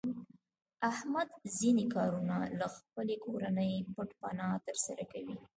احمد ځنې کارونه له خپلې کورنۍ پټ پناه تر سره کوي.